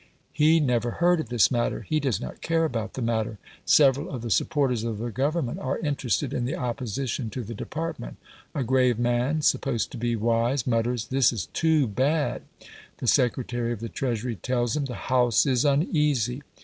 He never heard of this matter; he does not care about the matter. Several of the supporters of the Government are interested in the opposition to the department; a grave man, supposed to be wise, mutters, "This is TOO bad". The Secretary of the Treasury tells him, "The House is uneasy.